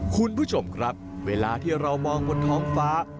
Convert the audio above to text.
คุณผู้ชมครับเวลาที่เรามองบนท้องฟ้า